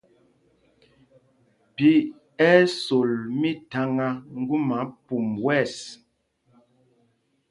Phī ɛ́ ɛ́ sol mítháŋá ŋgúma pum wɛ̂ɛs.